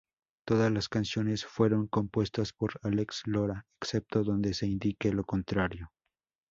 Todas las canciones fueron compuestas por Álex Lora, excepto donde se indique lo contrario.